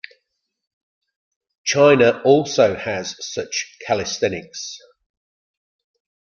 China also has such calisthenics.